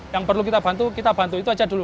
yang perlu kita bantu kita bantu itu aja dulu